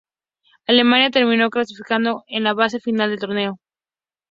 Alemania terminó clasificando a la fase final del torneo.